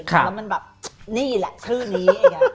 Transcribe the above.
แล้วมันแบบนี่แหละชื่อนี้